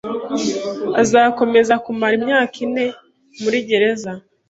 Azakomeza kumara imyaka ine muri gereza